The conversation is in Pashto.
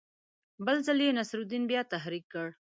بل ځل یې نصرالدین بیا تحریک کړ.